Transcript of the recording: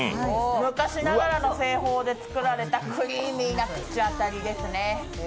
昔ながらの製法で作られたクリーミーな口当たりですね。